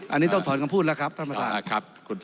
อันนี้ต้องถอนคำพูดนะครับท่านประธาน